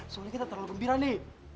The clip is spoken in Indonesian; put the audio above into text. soalnya kita terlalu gembira nini